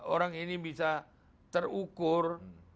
orang ini bisa terukur